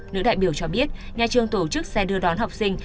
nữ đại biểu cho biết nhà trường tổ chức xe đưa đón học sinh